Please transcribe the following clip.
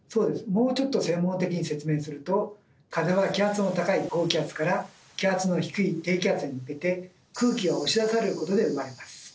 もうちょっと専門的に説明すると風は気圧の高い「高気圧」から気圧の低い「低気圧」に向けて空気が押し出されることで生まれます。